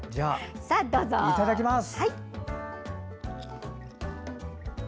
いただきます。